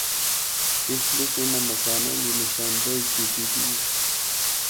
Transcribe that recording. اس بچ اناں مکاناں دی نشاندہی کیتی دی ہے۔